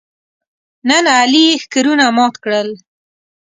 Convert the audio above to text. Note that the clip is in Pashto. نن علي یې ښکرونه مات کړل.